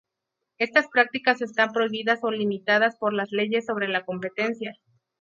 Estas prácticas están prohibidas o limitadas por las leyes sobre la competencia.